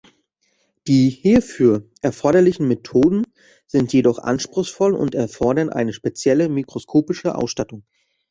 Die hierfür erforderlichen Methoden sind jedoch anspruchsvoll und erfordern eine spezielle mikroskopische Ausstattung.